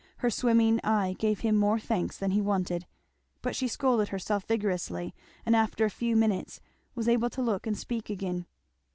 Her swimming eye gave him more thanks than he wanted. But she scolded herself vigorously and after a few minutes was able to look and speak again.